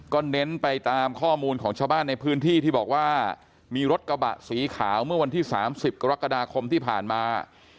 ก็เน้นไปตามข้อมูลของชาวบ้านในพื้นที่ที่บอกว่ามีรถกระบะสีขาวเมื่อวันที่๓๐กรกฎาคมที่ผ่านมา